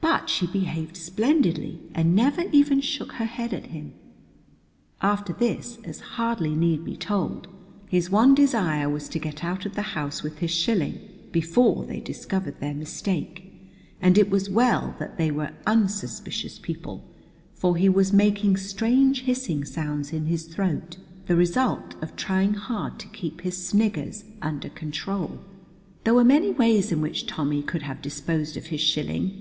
But she behaved splendidly, and never even shook her head at him. After this, as hardly need be told, his one desire was to get out of the house with his shilling before they discovered their mistake, and it was well that they were unsuspicious people, for he was making strange hissing sounds in his throat, the result of trying hard to keep his sniggers under control. There were many ways in which Tommy could have disposed of his shilling.